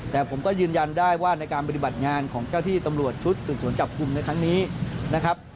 แต่ผมก็ยืนยันได้ว่าในการปฏิบัติงานของเจ้าที่ตำรวจชุดสืบสวนจับกลุ่มในครั้งนี้นะครับ